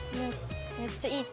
めっちゃいい手。